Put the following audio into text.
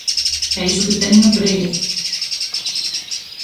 E iso que teñen a Pereira.